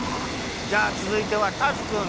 じゃあつづいてはターズくん。